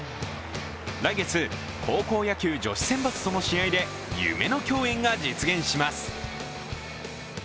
来月、高校野球女子選抜との試合で夢の共演が実現します。